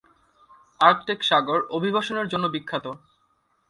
Arctic সাগর অভিবাসনের জন্য বিখ্যাত।